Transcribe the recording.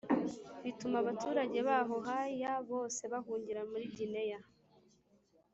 Bituma abaturage baho ha ya bose bahungira muri gineya